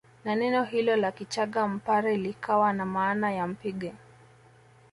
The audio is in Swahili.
Na neno hilo la kichaga Mpare likawa na maana ya mpige